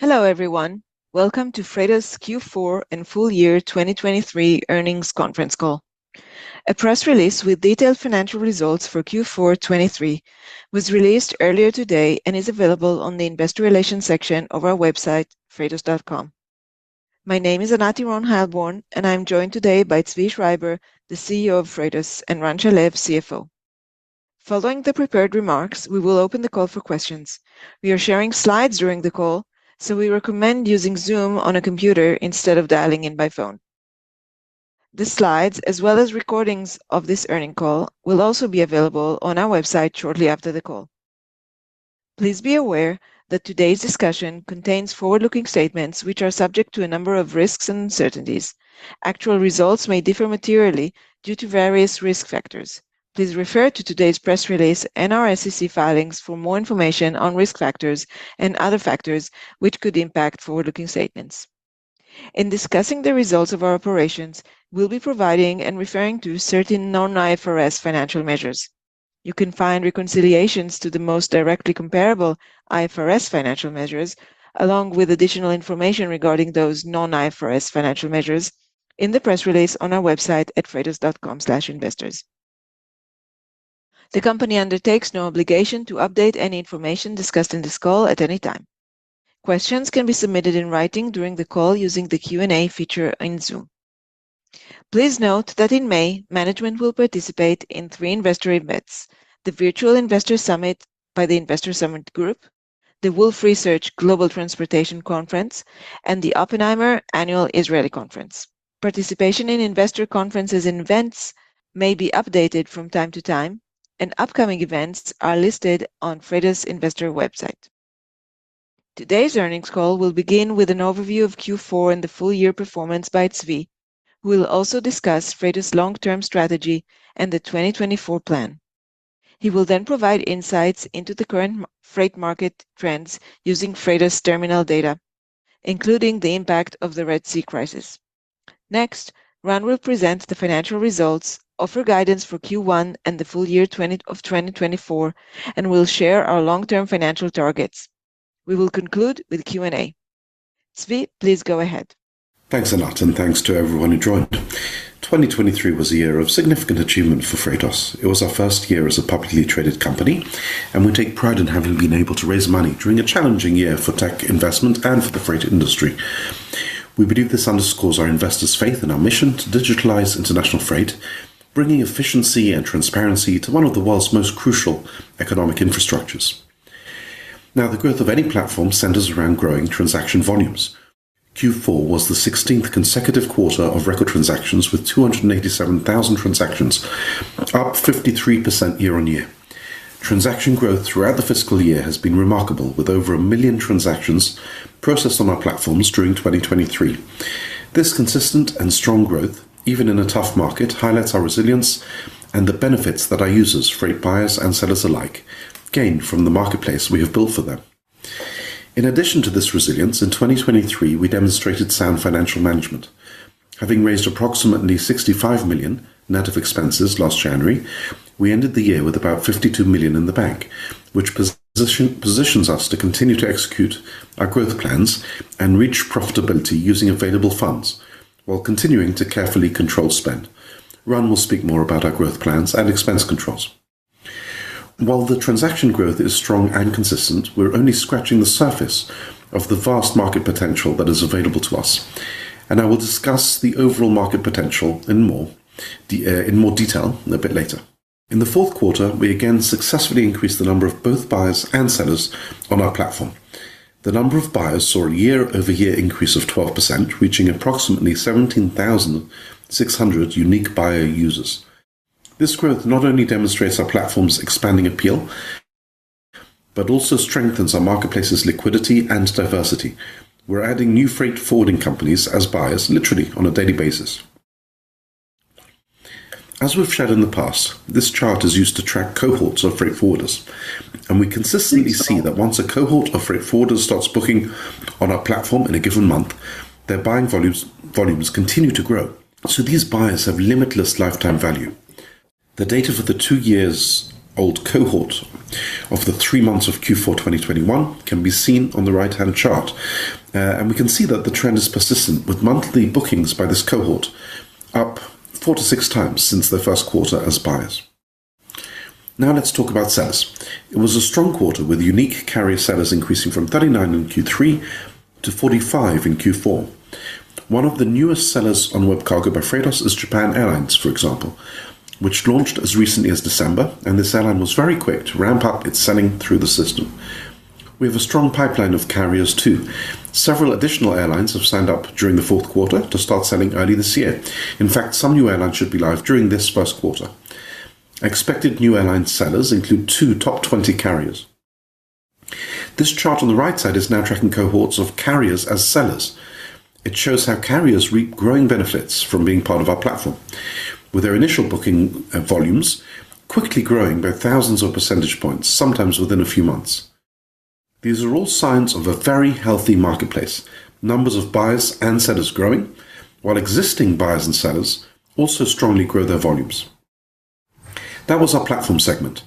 Hello everyone, Welcome to Freightos Q4 and Full Year 2023 Earnings Conference Call. A press release with detailed financial results for Q4 2023 was released earlier today and is available on the Investor Relations section of our website, freightos.com. My name is Anat Earon-Heilborn, and I am joined today by Zvi Schreiber, the CEO of Freightos, and Ran Shalev, CFO. Following the prepared remarks, we will open the call for questions. We are sharing slides during the call, so we recommend using Zoom on a computer instead of dialing in by phone. The slides, as well as recordings of this earnings call, will also be available on our website shortly after the call. Please be aware that today's discussion contains forward-looking statements which are subject to a number of risks and uncertainties. Actual results may differ materially due to various risk factors. Please refer to today's press release and our SEC filings for more information on risk factors and other factors which could impact forward-looking statements. In discussing the results of our operations, we'll be providing and referring to certain non-IFRS financial measures. You can find reconciliations to the most directly comparable IFRS financial measures, along with additional information regarding those non-IFRS financial measures, in the press release on our website at freightos.com/investors. The company undertakes no obligation to update any information discussed in this call at any time. Questions can be submitted in writing during the call using the Q&A feature in Zoom. Please note that in May, management will participate in three investor events: the Virtual Investor Summit by the Investor Summit Group, the Wolfe Research Global Transportation Conference, and the Oppenheimer Annual Israeli Conference. Participation in investor conferences and events may be updated from time to time, and upcoming events are listed on Freightos investor website. Today's earnings call will begin with an overview of Q4 and the full year performance by Zvi, who will also discuss Freightos long-term strategy and the 2024 plan. He will then provide insights into the current freight market trends using Freightos Terminal data, including the impact of the Red Sea crisis. Next, Ran will present the financial results, offer guidance for Q1 and the full year of 2024, and will share our long-term financial targets. We will conclude with Q&A. Zvi, please go ahead. Thanks a lot, and thanks to everyone who joined. 2023 was a year of significant achievement for Freightos. It was our first year as a publicly traded company, and we take pride in having been able to raise money during a challenging year for tech investment and for the freight industry. We believe this underscores our investors' faith in our mission to digitalize international freight, bringing efficiency and transparency to one of the world's most crucial economic infrastructures. Now, the growth of any platform centers around growing transaction volumes. Q4 was the 16th consecutive quarter of record transactions with 287,000 transactions, up 53% year-over-year. Transaction growth throughout the fiscal year has been remarkable, with over 1 million transactions processed on our platforms during 2023. This consistent and strong growth, even in a tough market, highlights our resilience and the benefits that our users, freight buyers and sellers alike, gain from the marketplace we have built for them. In addition to this resilience, in 2023 we demonstrated sound financial management. Having raised approximately $65 million net of expenses last January, we ended the year with about $52 million in the bank, which positions us to continue to execute our growth plans and reach profitability using available funds while continuing to carefully control spend. Ran will speak more about our growth plans and expense controls. While the transaction growth is strong and consistent, we're only scratching the surface of the vast market potential that is available to us, and I will discuss the overall market potential in more detail a bit later. In the fourth quarter, we again successfully increased the number of both buyers and sellers on our platform. The number of buyers saw a year-over-year increase of 12%, reaching approximately 17,600 unique buyer users. This growth not only demonstrates our platform's expanding appeal but also strengthens our marketplace's liquidity and diversity. We're adding new freight forwarding companies as buyers, literally, on a daily basis. As we've shared in the past, this chart is used to track cohorts of freight forwarders, and we consistently see that once a cohort of freight forwarders starts booking on our platform in a given month, their buying volumes continue to grow. So these buyers have limitless lifetime value. The data for the two-year-old cohort of the three months of Q4/2021 can be seen on the right-hand chart, and we can see that the trend is persistent, with monthly bookings by this cohort up four to six times since their first quarter as buyers. Now let's talk about sellers. It was a strong quarter, with unique carrier sellers increasing from 39 in Q3 to 45 in Q4. One of the newest sellers on WebCargo by Freightos is Japan Airlines, for example, which launched as recently as December, and this airline was very quick to ramp up its selling through the system. We have a strong pipeline of carriers, too. Several additional airlines have signed up during the fourth quarter to start selling early this year. In fact, some new airlines should be live during this first quarter. Expected new airline sellers include two top 20 carriers. This chart on the right side is now tracking cohorts of carriers as sellers. It shows how carriers reap growing benefits from being part of our platform, with their initial booking volumes quickly growing by thousands of percentage points, sometimes within a few months. These are all signs of a very healthy marketplace: numbers of buyers and sellers growing, while existing buyers and sellers also strongly grow their volumes. That was our platform segment.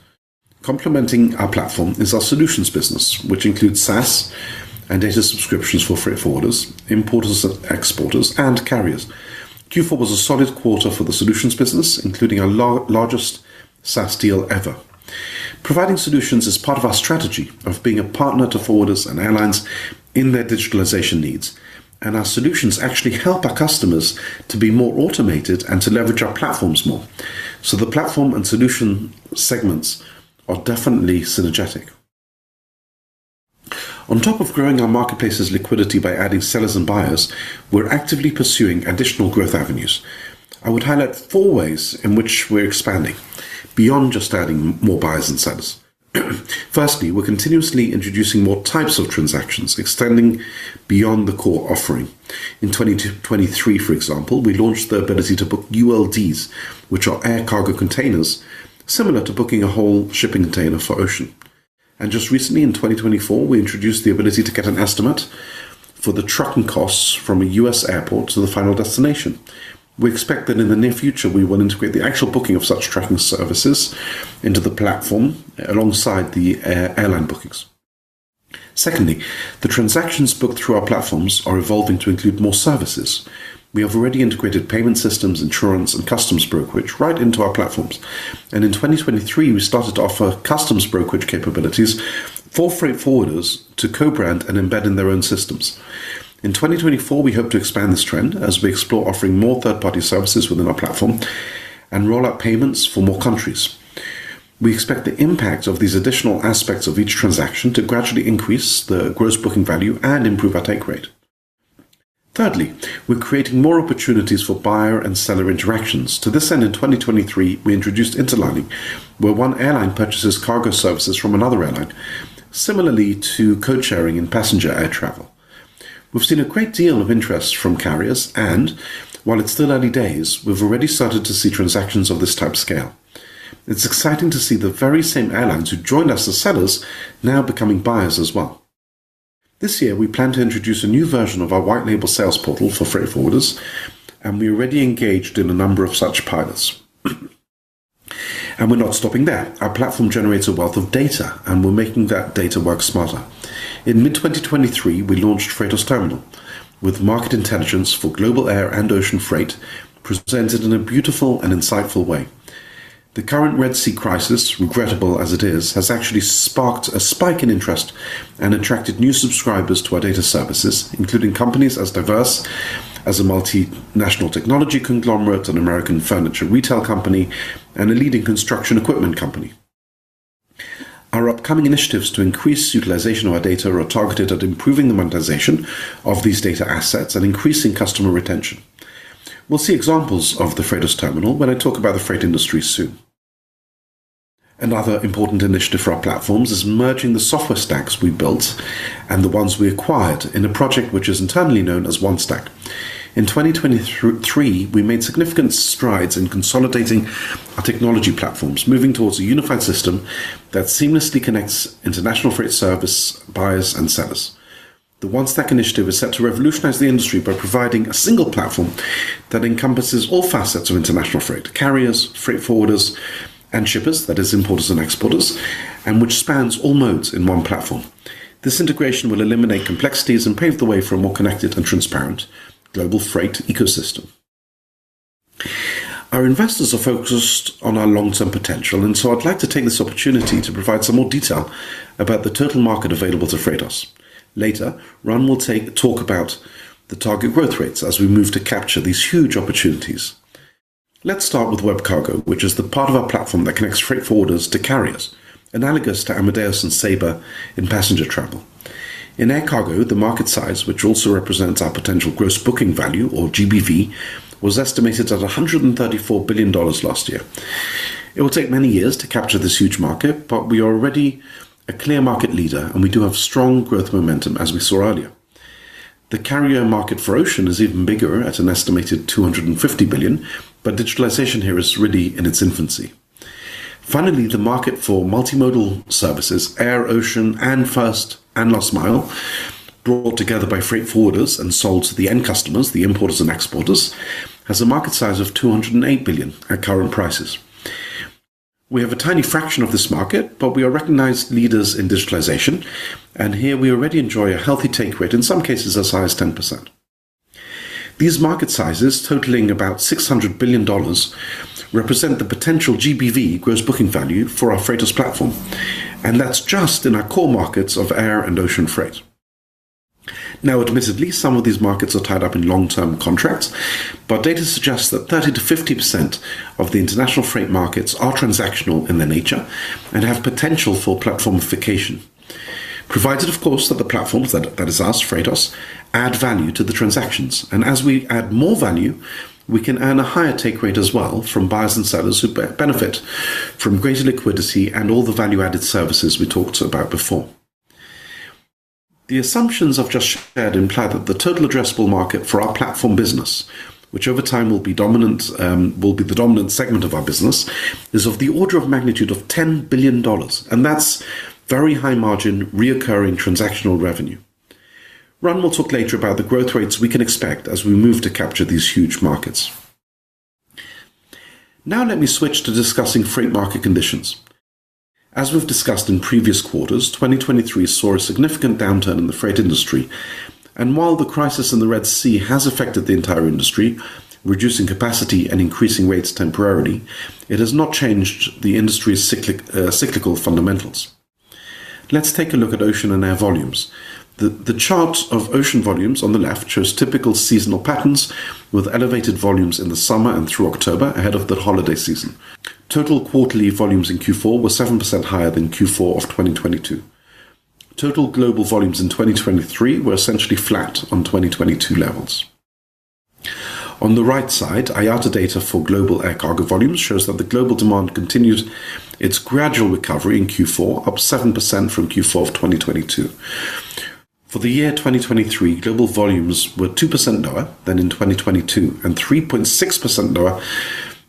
Complementing our platform is our solutions business, which includes SaaS and data subscriptions for freight forwarders, importers and exporters, and carriers. Q4 was a solid quarter for the solutions business, including our largest SaaS deal ever. Providing solutions is part of our strategy of being a partner to forwarders and airlines in their digitalization needs, and our solutions actually help our customers to be more automated and to leverage our platforms more. So the platform and solution segments are definitely synergetic. On top of growing our marketplace's liquidity by adding sellers and buyers, we're actively pursuing additional growth avenues. I would highlight four ways in which we're expanding beyond just adding more buyers and sellers. Firstly, we're continuously introducing more types of transactions, extending beyond the core offering. In 2023, for example, we launched the ability to book ULDs, which are air cargo containers, similar to booking a whole shipping container for ocean. And just recently, in 2024, we introduced the ability to get an estimate for the trucking costs from a U.S. airport to the final destination. We expect that in the near future we will integrate the actual booking of such trucking services into the platform alongside the airline bookings. Secondly, the transactions booked through our platforms are evolving to include more services. We have already integrated payment systems, insurance, and customs brokerage right into our platforms, and in 2023 we started to offer customs brokerage capabilities for freight forwarders to co-brand and embed in their own systems. In 2024 we hope to expand this trend as we explore offering more third-party services within our platform and roll out payments for more countries. We expect the impact of these additional aspects of each transaction to gradually increase the gross booking value and improve our take rate. Thirdly, we're creating more opportunities for buyer and seller interactions. To this end, in 2023 we introduced interlining, where one airline purchases cargo services from another airline, similarly to code-sharing in passenger air travel. We've seen a great deal of interest from carriers, and while it's still early days, we've already started to see transactions of this type scale. It's exciting to see the very same airlines who joined us as sellers now becoming buyers as well. This year we plan to introduce a new version of our white-label sales portal for freight forwarders, and we already engaged in a number of such pilots. We're not stopping there. Our platform generates a wealth of data, and we're making that data work smarter. In mid-2023 we launched Freightos Terminal, with market intelligence for global air and ocean freight presented in a beautiful and insightful way. The current Red Sea crisis, regrettable as it is, has actually sparked a spike in interest and attracted new subscribers to our data services, including companies as diverse as a multinational technology conglomerate, an American furniture retail company, and a leading construction equipment company. Our upcoming initiatives to increase utilization of our data are targeted at improving the monetization of these data assets and increasing customer retention. We'll see examples of the Freightos Terminal when I talk about the freight industry soon. Another important initiative for our platforms is merging the software stacks we built and the ones we acquired in a project which is internally known as OneStack. In 2023 we made significant strides in consolidating our technology platforms, moving towards a unified system that seamlessly connects international freight service buyers and sellers. The OneStack initiative is set to revolutionize the industry by providing a single platform that encompasses all facets of international freight: carriers, freight forwarders, and shippers, that is, importers and exporters, and which spans all modes in one platform. This integration will eliminate complexities and pave the way for a more connected and transparent global freight ecosystem. Our investors are focused on our long-term potential, and so I'd like to take this opportunity to provide some more detail about the total market available to Freightos. Later, Ran will talk about the target growth rates as we move to capture these huge opportunities. Let's start with WebCargo, which is the part of our platform that connects freight forwarders to carriers, analogous to Amadeus and Sabre in passenger travel. In air cargo, the market size, which also represents our potential gross booking value or GBV, was estimated at $134 billion last year. It will take many years to capture this huge market, but we are already a clear market leader, and we do have strong growth momentum as we saw earlier. The carrier market for ocean is even bigger, at an estimated $250 billion, but digitalization here is really in its infancy. Finally, the market for multimodal services (air, ocean, and first and last mile) brought together by freight forwarders and sold to the end customers, the importers and exporters, has a market size of $208 billion at current prices. We have a tiny fraction of this market, but we are recognized leaders in digitalization, and here we already enjoy a healthy take rate, in some cases as high as 10%. These market sizes, totaling about $600 billion, represent the potential GBV gross booking value for our Freightos platform, and that's just in our core markets of air and ocean freight. Now, admittedly, some of these markets are tied up in long-term contracts, but data suggests that 30%-50% of the international freight markets are transactional in their nature and have potential for platformification, provided, of course, that the platforms (that is, us, Freightos) add value to the transactions. As we add more value, we can earn a higher take rate as well from buyers and sellers who benefit from greater liquidity and all the value-added services we talked about before. The assumptions I've just shared imply that the total addressable market for our platform business, which over time will be the dominant segment of our business, is of the order of magnitude of $10 billion, and that's very high-margin recurring transactional revenue. Ran will talk later about the growth rates we can expect as we move to capture these huge markets. Now let me switch to discussing freight market conditions. As we've discussed in previous quarters, 2023 saw a significant downturn in the freight industry, and while the crisis in the Red Sea has affected the entire industry, reducing capacity and increasing rates temporarily, it has not changed the industry's cyclical fundamentals. Let's take a look at ocean and air volumes. The chart of ocean volumes on the left shows typical seasonal patterns with elevated volumes in the summer and through October ahead of the holiday season. Total quarterly volumes in Q4 were 7% higher than Q4 of 2022. Total global volumes in 2023 were essentially flat on 2022 levels. On the right side, IATA data for global air cargo volumes shows that the global demand continued its gradual recovery in Q4, up 7% from Q4 of 2022. For the year 2023, global volumes were 2% lower than in 2022 and 3.6% lower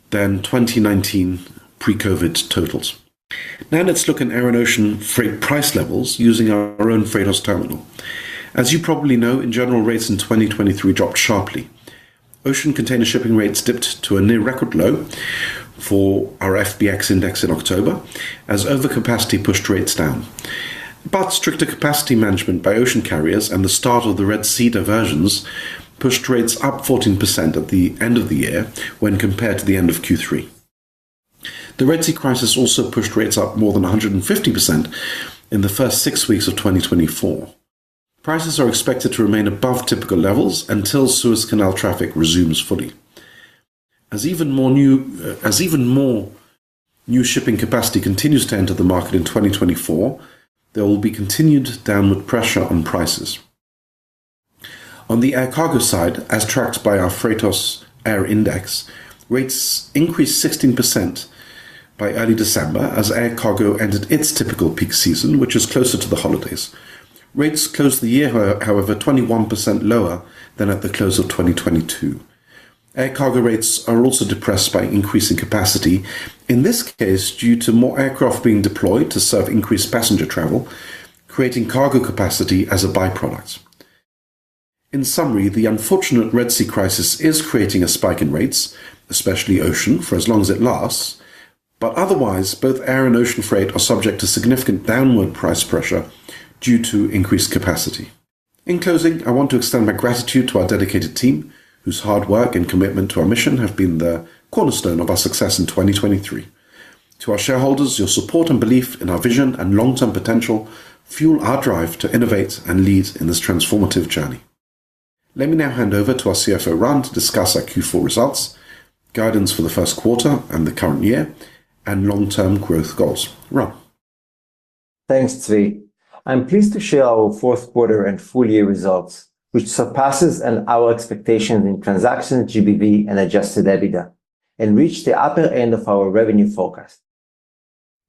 than 2019 pre-COVID totals. Now let's look at air and ocean freight price levels using our own Freightos Terminal. As you probably know, in general, rates in 2023 dropped sharply. Ocean container shipping rates dipped to a near-record low for our FBX index in October as overcapacity pushed rates down. But stricter capacity management by ocean carriers and the start of the Red Sea diversions pushed rates up 14% at the end of the year when compared to the end of Q3. The Red Sea crisis also pushed rates up more than 150% in the first six weeks of 2024. Prices are expected to remain above typical levels until Suez Canal traffic resumes fully. As even more new shipping capacity continues to enter the market in 2024, there will be continued downward pressure on prices. On the air cargo side, as tracked by our Freightos Air Index, rates increased 16% by early December as air cargo entered its typical peak season, which is closer to the holidays. Rates closed the year, however, 21% lower than at the close of 2022. Air cargo rates are also depressed by increasing capacity, in this case due to more aircraft being deployed to serve increased passenger travel, creating cargo capacity as a byproduct. In summary, the unfortunate Red Sea crisis is creating a spike in rates, especially ocean, for as long as it lasts, but otherwise both air and ocean freight are subject to significant downward price pressure due to increased capacity. In closing, I want to extend my gratitude to our dedicated team, whose hard work and commitment to our mission have been the cornerstone of our success in 2023. To our shareholders, your support and belief in our vision and long-term potential fuel our drive to innovate and lead in this transformative journey. Let me now hand over to our CFO Ran to discuss our Q4 results, guidance for the first quarter and the current year, and long-term growth goals. Ran. Thanks, Zvi. I'm pleased to share our fourth quarter and full-year results, which surpassed our expectations in transactions, GBV, and adjusted EBITDA, and reached the upper end of our revenue forecast.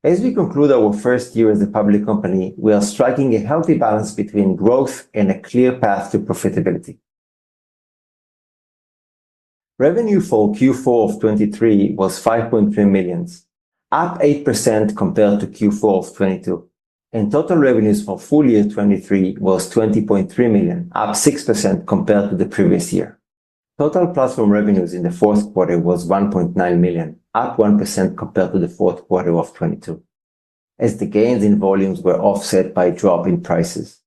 As we conclude our first year as a public company, we are striking a healthy balance between growth and a clear path to profitability. Revenue for Q4 of 2023 was $5.3 million, up 8% compared to Q4 of 2022, and total revenues for full-year 2023 was $20.3 million, up 6% compared to the previous year. Total platform revenues in the fourth quarter was $1.9 million, up 1% compared to the fourth quarter of 2022, as the gains in volumes were offset by a drop in prices.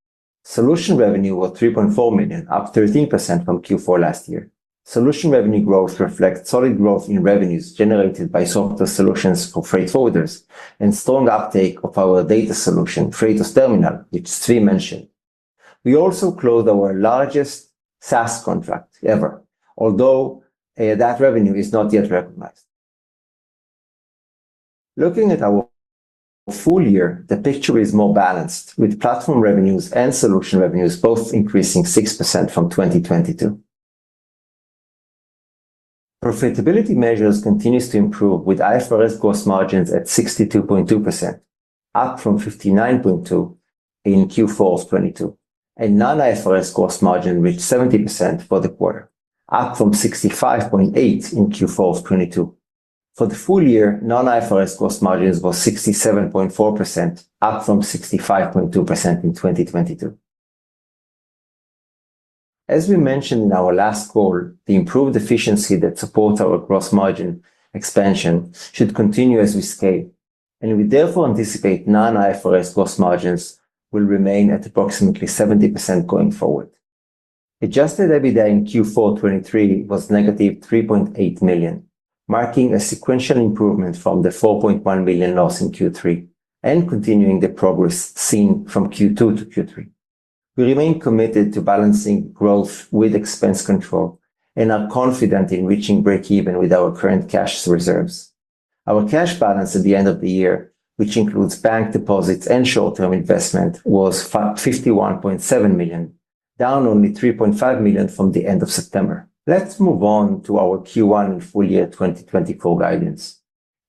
Solution revenue was $3.4 million, up 13% from Q4 last year. Solution revenue growth reflects solid growth in revenues generated by software solutions for freight forwarders and strong uptake of our data solution, Freightos Terminal, which Zvi mentioned. We also closed our largest SaaS contract ever, although that revenue is not yet recognized. Looking at our full year, the picture is more balanced, with platform revenues and solution revenues both increasing 6% from 2022. Profitability measures continue to improve, with IFRS gross margins at 62.2%, up from 59.2% in Q4 of 2022, and non-IFRS gross margin reached 70% for the quarter, up from 65.8% in Q4 of 2022. For the full year, non-IFRS gross margins were 67.4%, up from 65.2% in 2022. As we mentioned in our last call, the improved efficiency that supports our gross margin expansion should continue as we scale, and we therefore anticipate non-IFRS gross margins will remain at approximately 70% going forward. Adjusted EBITDA in Q4 of 2023 was -$3.8 million, marking a sequential improvement from the $4.1 million loss in Q3 and continuing the progress seen from Q2 to Q3. We remain committed to balancing growth with expense control and are confident in reaching break-even with our current cash reserves. Our cash balance at the end of the year, which includes bank deposits and short-term investment, was $51.7 million, down only $3.5 million from the end of September. Let's move on to our Q1 and full-year 2024 guidance.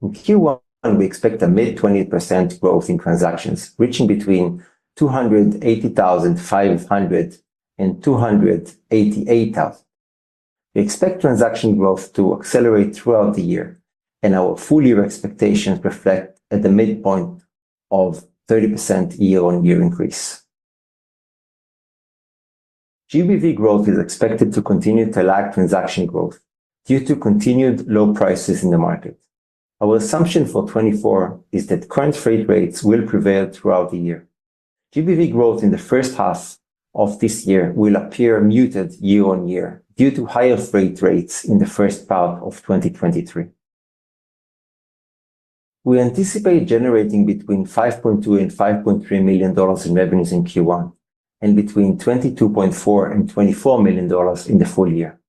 In Q1, we expect a mid-20% growth in transactions, reaching between $280,500 and $288,000. We expect transaction growth to accelerate throughout the year, and our full-year expectations reflect a midpoint of 30% year-on-year increase. GBV growth is expected to continue to lag transaction growth due to continued low prices in the market. Our assumption for 2024 is that current freight rates will prevail throughout the year. GBV growth in the first half of this year will appear muted year-on-year due to higher freight rates in the first part of 2023. We anticipate generating between $5.2 million-$5.3 million in revenues in Q1 and between $22.4 million-$24 million in the full year.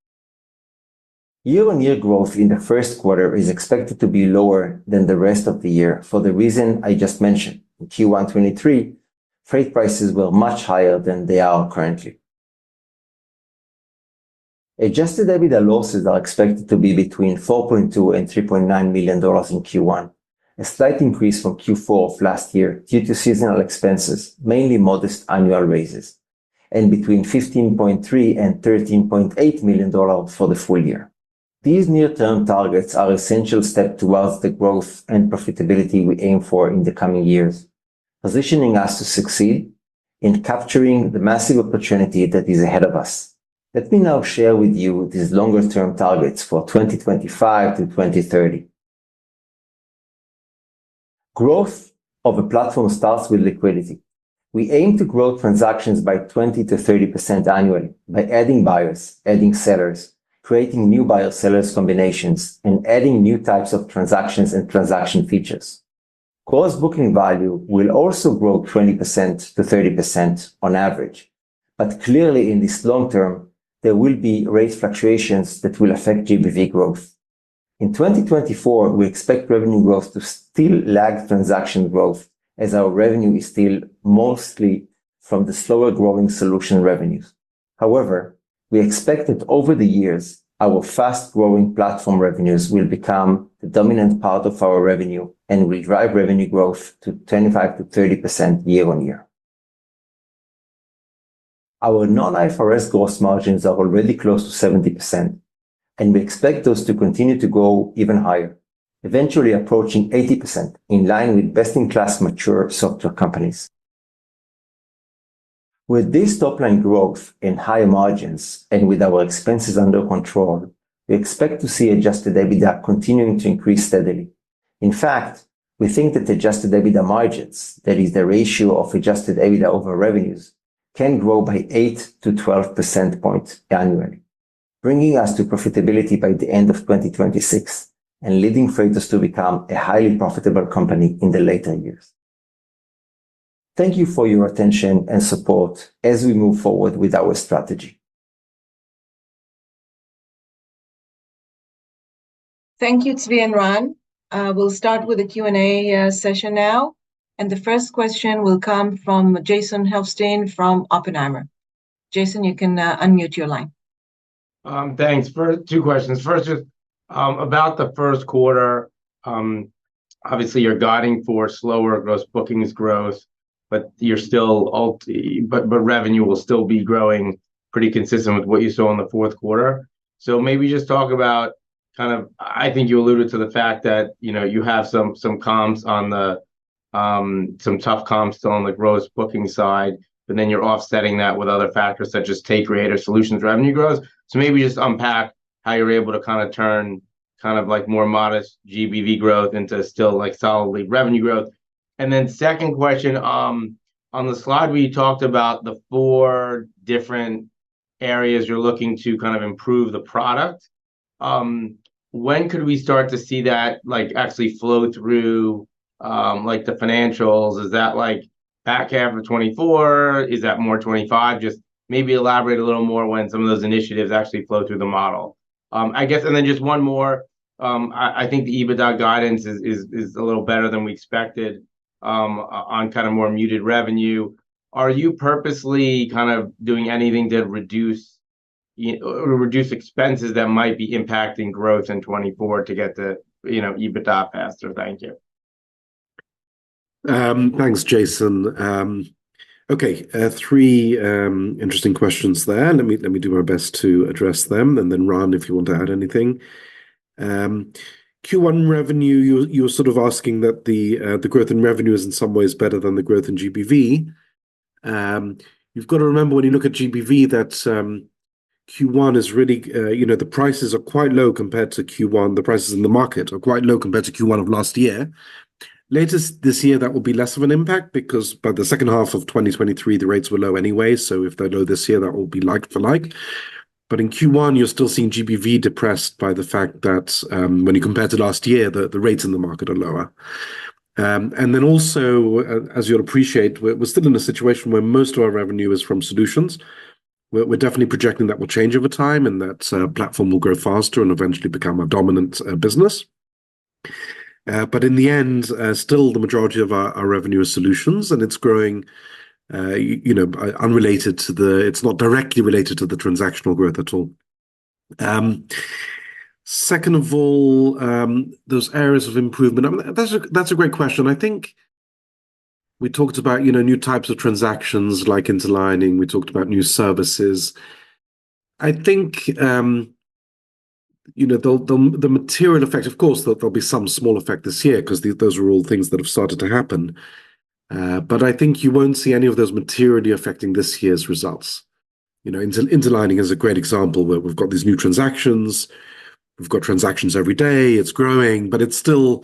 Year-on-year growth in the first quarter is expected to be lower than the rest of the year for the reason I just mentioned: in Q1 of 2023, freight prices were much higher than they are currently. Adjusted EBITDA losses are expected to be between $4.2 million-$3.9 million in Q1, a slight increase from Q4 of last year due to seasonal expenses, mainly modest annual raises, and between $15.3 million-$13.8 million for the full year. These near-term targets are an essential step towards the growth and profitability we aim for in the coming years, positioning us to succeed in capturing the massive opportunity that is ahead of us. Let me now share with you these longer-term targets for 2025 to 2030. Growth of a platform starts with liquidity. We aim to grow transactions by 20%-30% annually by adding buyers, adding sellers, creating new buyer-seller combinations, and adding new types of transactions and transaction features. Gross booking value will also grow 20%-30% on average, but clearly, in this long term, there will be rate fluctuations that will affect GBV growth. In 2024, we expect revenue growth to still lag transaction growth as our revenue is still mostly from the slower-growing solution revenues. However, we expect that over the years, our fast-growing platform revenues will become the dominant part of our revenue and will drive revenue growth to 25%-30% year-over-year. Our non-IFRS gross margins are already close to 70%, and we expect those to continue to grow even higher, eventually approaching 80%, in line with best-in-class mature software companies. With this top-line growth and higher margins and with our expenses under control, we expect to see Adjusted EBITDA continuing to increase steadily. In fact, we think that Adjusted EBITDA margins, that is, the ratio of Adjusted EBITDA over revenues, can grow by 8%-12% points annually, bringing us to profitability by the end of 2026 and leading Freightos to become a highly profitable company in the later years. Thank you for your attention and support as we move forward with our strategy. Thank you, Zvi and Ran. We'll start with a Q&A session now, and the first question will come from Jason Helfstein from Oppenheimer. Jason, you can unmute your line. Thanks. Two questions. First, about the first quarter, obviously, you're guiding for slower gross bookings growth, but revenue will still be growing pretty consistent with what you saw in the fourth quarter. So maybe just talk about kind of I think you alluded to the fact that you have some tough comps on the gross booking side, but then you're offsetting that with other factors such as take rate or solutions revenue growth. So maybe just unpack how you're able to kind of turn kind of more modest GBV growth into still solidly revenue growth. And then second question, on the slide where you talked about the four different areas you're looking to kind of improve the product, when could we start to see that actually flow through the financials? Is that back half of 2024? Is that more 2025? Just maybe elaborate a little more when some of those initiatives actually flow through the model. And then just one more, I think the EBITDA guidance is a little better than we expected on kind of more muted revenue. Are you purposely kind of doing anything to reduce expenses that might be impacting growth in 2024 to get the EBITDA faster? Thank you. Thanks, Jason. Okay, three interesting questions there. Let me do my best to address them, and then Ran, if you want to add anything. Q1 revenue, you're sort of asking that the growth in revenue is in some ways better than the growth in GBV. You've got to remember when you look at GBV that Q1 is really the prices are quite low compared to Q1. The prices in the market are quite low compared to Q1 of last year. Latest this year, that will be less of an impact because by the second half of 2023, the rates were low anyway. So if they're low this year, that will be like for like. But in Q1, you're still seeing GBV depressed by the fact that when you compare to last year, the rates in the market are lower. And then also, as you'll appreciate, we're still in a situation where most of our revenue is from solutions. We're definitely projecting that will change over time and that platform will grow faster and eventually become a dominant business. But in the end, still, the majority of our revenue is solutions, and it's growing unrelated to the—it's not directly related to the transactional growth at all. Second of all, those areas of improvement, that's a great question. I think we talked about new types of transactions like Interlining. We talked about new services. I think the material effect, of course, there'll be some small effect this year because those are all things that have started to happen. But I think you won't see any of those materially affecting this year's results. Interlining is a great example where we've got these new transactions. We've got transactions every day. It's growing, but it's still,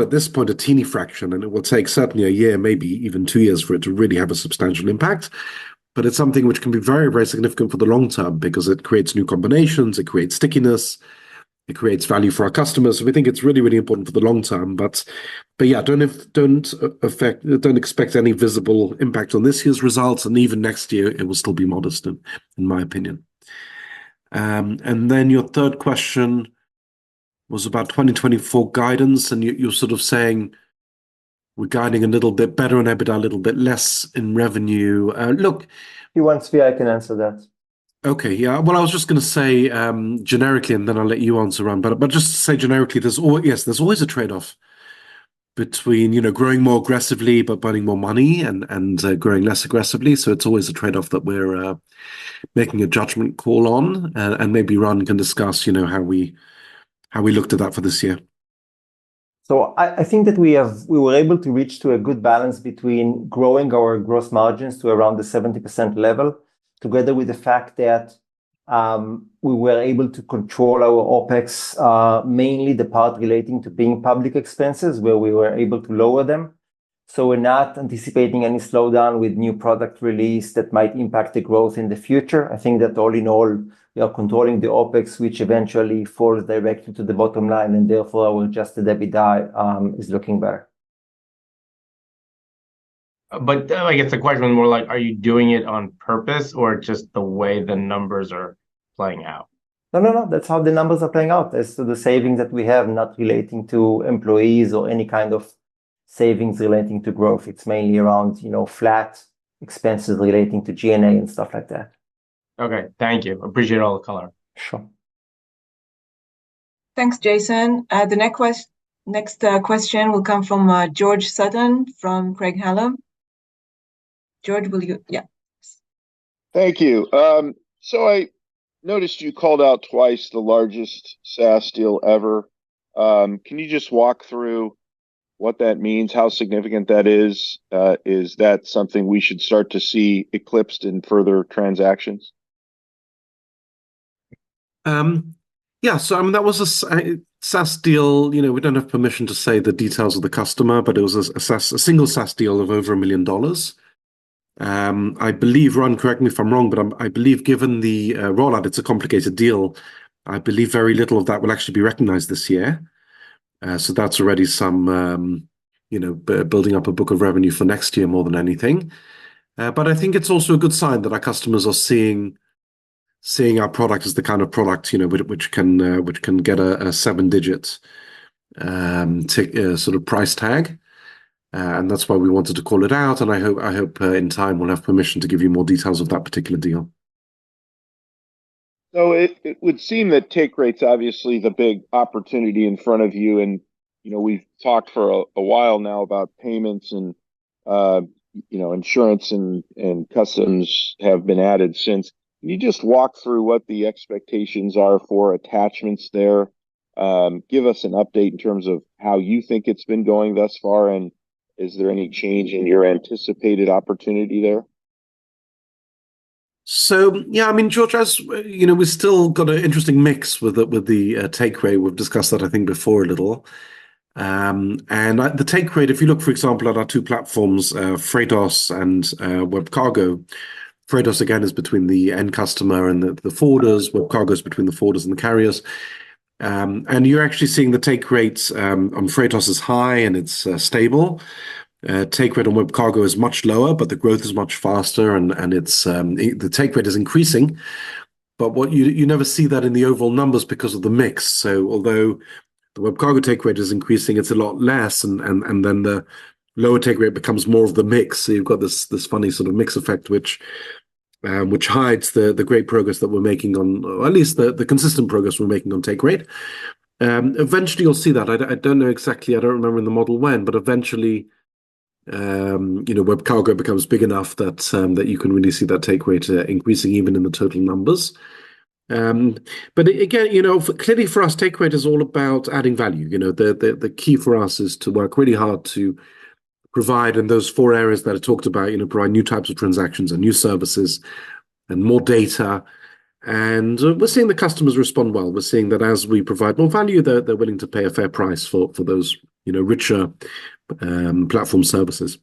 at this point, a teeny fraction, and it will take certainly a year, maybe even two years, for it to really have a substantial impact. But it's something which can be very, very significant for the long term because it creates new combinations. It creates stickiness. It creates value for our customers. So we think it's really, really important for the long term. But yeah, don't expect any visible impact on this year's results, and even next year, it will still be modest, in my opinion. And then your third question was about 2024 guidance, and you're sort of saying we're guiding a little bit better on EBITDA, a little bit less in revenue. Look. You want Zvi, I can answer that. Okay. Yeah. Well, I was just going to say generically, and then I'll let you answer, Ran. But just to say generically, yes, there's always a trade-off between growing more aggressively but burning more money and growing less aggressively. So it's always a trade-off that we're making a judgment call on, and maybe Ran can discuss how we looked at that for this year. So I think that we were able to reach a good balance between growing our gross margins to around the 70% level, together with the fact that we were able to control our OPEX, mainly the part relating to being public expenses, where we were able to lower them. So we're not anticipating any slowdown with new product release that might impact the growth in the future. I think that all in all, we are controlling the OPEX, which eventually falls directly to the bottom line, and therefore our Adjusted EBITDA is looking better. But I guess the question is more like, are you doing it on purpose or just the way the numbers are playing out? No, no, no. That's how the numbers are playing out, as to the savings that we have, not relating to employees or any kind of savings relating to growth. It's mainly around flat expenses relating to G&A and stuff like that. Okay. Thank you. Appreciate all the color. Sure. Thanks, Jason. The next question will come from George Sutton from Craig-Hallum. George, will you yeah. Thank you. So I noticed you called out twice the largest SaaS deal ever. Can you just walk through what that means, how significant that is? Is that something we should start to see eclipsed in further transactions? Yeah. So I mean, that was a SaaS deal. We don't have permission to say the details of the customer, but it was a single SaaS deal of over $1 million. I believe Ran, correct me if I'm wrong, but I believe given the rollout, it's a complicated deal. I believe very little of that will actually be recognized this year. So that's already some building up a book of revenue for next year more than anything. But I think it's also a good sign that our customers are seeing our product as the kind of product which can get a seven-digit sort of price tag. And that's why we wanted to call it out. And I hope in time we'll have permission to give you more details of that particular deal. So it would seem that take rate's obviously the big opportunity in front of you, and we've talked for a while now about payments and insurance and customs have been added since. Can you just walk through what the expectations are for attachments there? Give us an update in terms of how you think it's been going thus far, and is there any change in your anticipated opportunity there? So yeah, I mean, George, we've still got an interesting mix with the take rate. We've discussed that, I mean, before a little. The take rate, if you look, for example, at our two platforms, Freightos and WebCargo, Freightos, again, is between the end customer and the forwarders. WebCargo is between the forwarders and the carriers. You're actually seeing the take rate on Freightos is high and it's stable. Take rate on WebCargo is much lower, but the growth is much faster, and the take rate is increasing. You never see that in the overall numbers because of the mix. Although the WebCargo take rate is increasing, it's a lot less, and then the lower take rate becomes more of the mix. So you've got this funny sort of mix effect, which hides the great progress that we're making on at least the consistent progress we're making on take rate. Eventually, you'll see that. I don't know exactly. I don't remember in the model when, but eventually, WebCargo becomes big enough that you can really see that take rate increasing even in the total numbers. But again, clearly for us, take rate is all about adding value. The key for us is to work really hard to provide in those four areas that I talked about, provide new types of transactions and new services and more data. And we're seeing the customers respond well. We're seeing that as we provide more value, they're willing to pay a fair price for those richer platform services.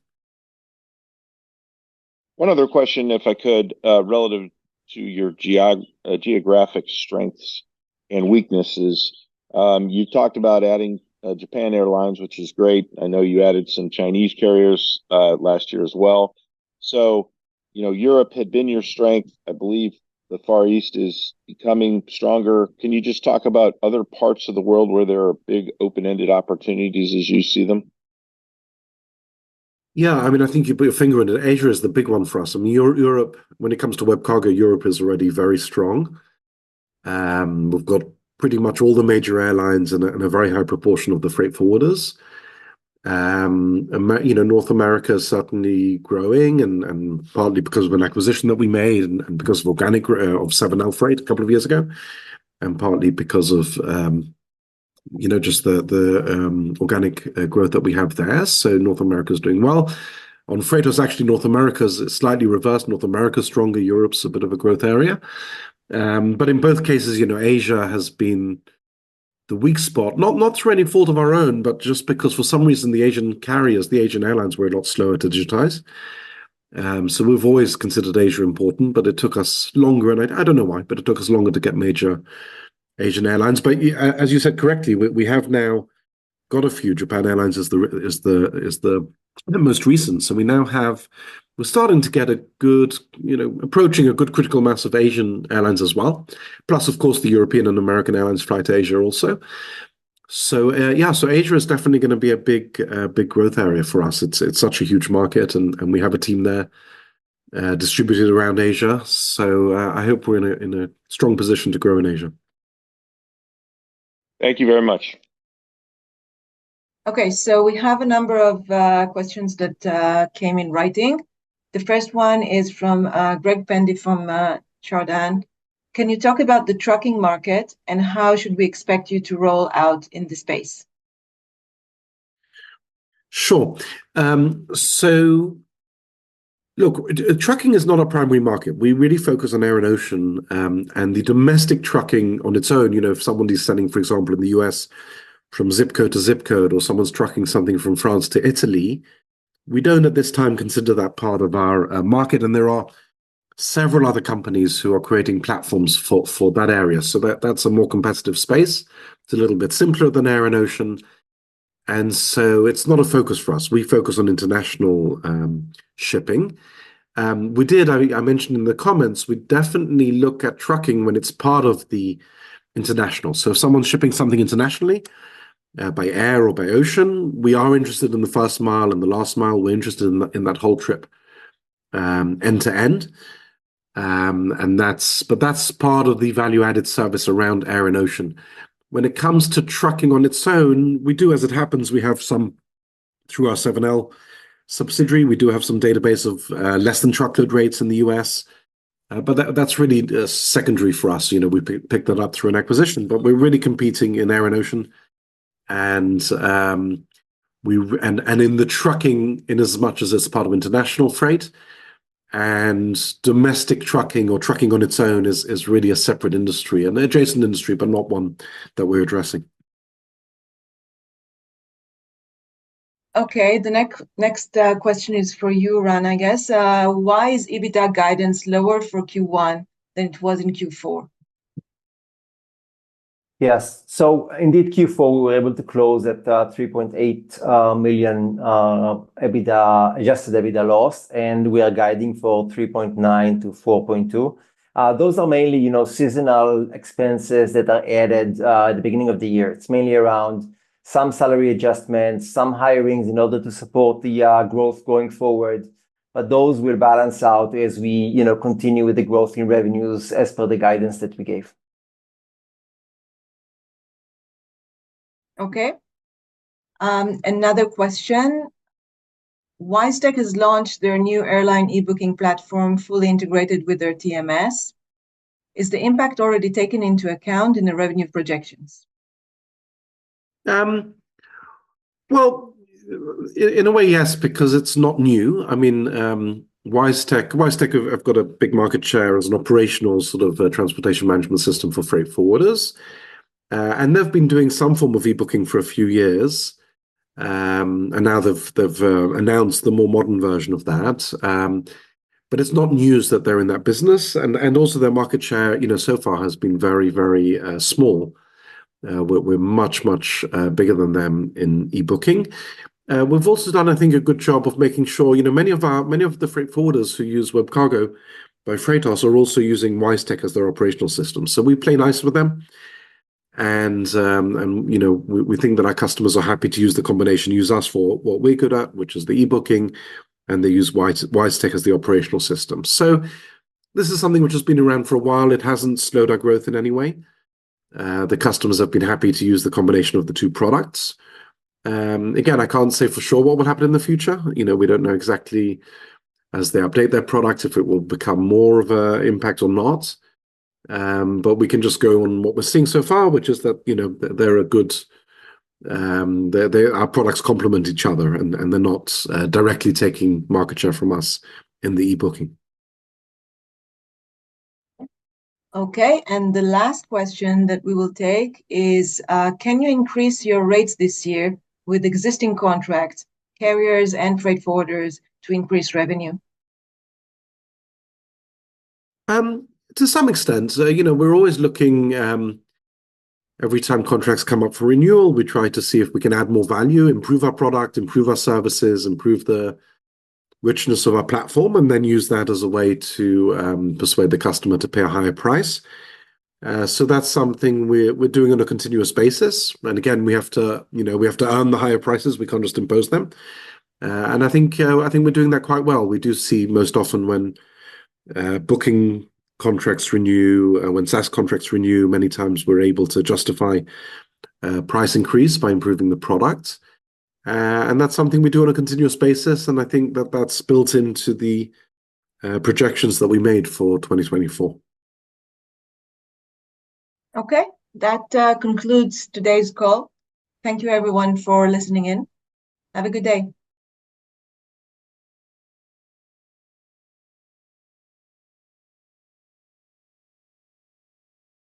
One other question, if I could, relative to your geographic strengths and weaknesses. You've talked about adding Japan Airlines, which is great. I know you added some Chinese carriers last year as well. So Europe had been your strength. I believe the Far East is becoming stronger. Can you just talk about other parts of the world where there are big open-ended opportunities as you see them? Yeah. I mean, I think you put your finger on it. Asia is the big one for us. I mean, Europe, when it comes to WebCargo, Europe is already very strong. We've got pretty much all the major airlines and a very high proportion of the freight forwarders. North America is certainly growing, and partly because of an acquisition that we made and because of 7LFreight a couple of years ago, and partly because of just the organic growth that we have there. So North America is doing well. On Freightos, actually, North America is slightly reversed. North America is stronger. Europe's a bit of a growth area. But in both cases, Asia has been the weak spot, not through any fault of our own, but just because for some reason, the Asian carriers, the Asian airlines, were a lot slower to digitize. So we've always considered Asia important, but it took us longer. I don't know why, but it took us longer to get major Asian airlines. As you said correctly, we have now got a few. Japan Airlines is the most recent. So we're starting to get a good approaching a good critical mass of Asian airlines as well, plus, of course, the European and American Airlines Flight Asia also. Yeah, Asia is definitely going to be a big growth area for us. It's such a huge market, and we have a team there distributed around Asia. I hope we're in a strong position to grow in Asia. Thank you very much. Okay. So we have a number of questions that came in writing. The first one is from Greg Bendy from Chardan. Can you talk about the trucking market, and how should we expect you to roll out in the space? Sure. So look, trucking is not a primary market. We really focus on air and ocean. And the domestic trucking on its own, if somebody's sending, for example, in the U.S. from zip code to zip code, or someone's trucking something from France to Italy, we don't at this time consider that part of our market. And there are several other companies who are creating platforms for that area. So that's a more competitive space. It's a little bit simpler than air and ocean. And so it's not a focus for us. We focus on international shipping. I mentioned in the comments, we definitely look at trucking when it's part of the international. So if someone's shipping something internationally by air or by ocean, we are interested in the first mile and the last mile. We're interested in that whole trip end to end. But that's part of the value-added service around air and ocean. When it comes to trucking on its own, we do as it happens, we have some through our 7L subsidiary. We do have some database of less than truckload rates in the U.S., but that's really secondary for us. We picked that up through an acquisition, but we're really competing in air and ocean. And in the trucking, in as much as it's part of international freight, and domestic trucking or trucking on its own is really a separate industry, an adjacent industry, but not one that we're addressing. Okay. The next question is for you, Ran, I guess. Why is EBITDA guidance lower for Q1 than it was in Q4? Yes. So indeed, Q4, we were able to close at $3.8 million Adjusted EBITDA loss, and we are guiding for $3.9 million-$4.2 million. Those are mainly seasonal expenses that are added at the beginning of the year. It's mainly around some salary adjustments, some hirings in order to support the growth going forward. But those will balance out as we continue with the growth in revenues as per the guidance that we gave. Okay. Another question. WiseTech has launched their new airline e-booking platform fully integrated with their TMS. Is the impact already taken into account in the revenue projections? Well, in a way, yes, because it's not new. I mean, WiseTech have got a big market share as an operational sort of transportation management system for freight forwarders. And they've been doing some form of e-booking for a few years. And now they've announced the more modern version of that. But it's not news that they're in that business. And also, their market share so far has been very, very small. We're much, much bigger than them in e-booking. We've also done, I think, a good job of making sure many of the freight forwarders who use WebCargo by Freightos are also using WiseTech as their operational system. So we play nice with them. And we think that our customers are happy to use the combination, use us for what we're good at, which is the e-booking, and they use WiseTech as the operational system. So this is something which has been around for a while. It hasn't slowed our growth in any way. The customers have been happy to use the combination of the two products. Again, I can't say for sure what will happen in the future. We don't know exactly as they update their products if it will become more of an impact or not. But we can just go on what we're seeing so far, which is that they're good, our products complement each other, and they're not directly taking market share from us in the e-booking. Okay. And the last question that we will take is, can you increase your rates this year with existing contracts, carriers, and freight forwarders to increase revenue? To some extent, we're always looking every time contracts come up for renewal, we try to see if we can add more value, improve our product, improve our services, improve the richness of our platform, and then use that as a way to persuade the customer to pay a higher price. So that's something we're doing on a continuous basis. And again, we have to earn the higher prices. We can't just impose them. And I think we're doing that quite well. We do see most often when booking contracts renew, when SaaS contracts renew, many times we're able to justify price increase by improving the product. And that's something we do on a continuous basis. And I think that that's built into the projections that we made for 2024. Okay. That concludes today's call. Thank you, everyone, for listening in. Have a good day.